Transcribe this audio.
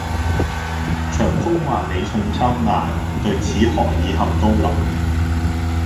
長風萬里送秋雁，對此可以酣高樓